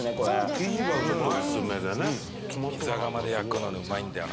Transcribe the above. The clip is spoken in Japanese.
「ピザ窯で焼くのうまいんだよな」